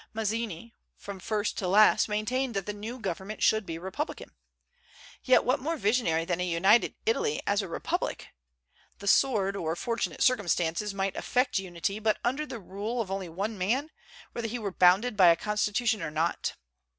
Mazzini, from first to last, maintained that the new government should be republican. Yet what more visionary than a united Italy as a republic? The sword, or fortunate circumstances, might effect unity, but under the rule only of one man, whether he were bound by a constitution or not.